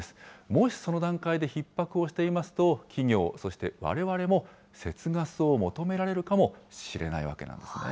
もしその段階でひっ迫をしていますと、企業、そしてわれわれも節ガスを求められるかもしれないわけなんですね。